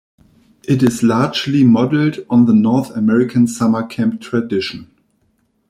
It is largely modeled on the North American summer camp tradition.